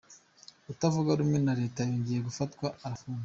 utavuga rumwe na reta yongeye gufatwa arafungwa